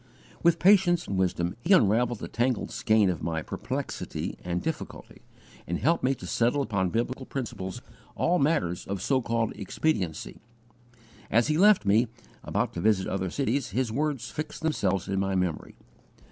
With patience and wisdom he unravelled the tangled skein of my perplexity and difficulty, and helped me to settle upon biblical principles all matters of so called expediency. As he left me, about to visit other cities, his words fixed themselves in my memory.